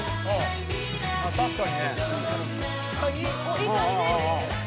「いい感じ」